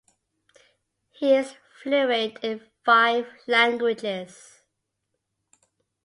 He is fluent in five languages.